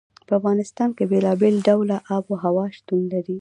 په افغانستان کې بېلابېل ډوله آب وهوا شتون لري.